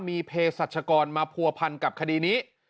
มีเพศสัชกรมาผัวพันกับคดีนี้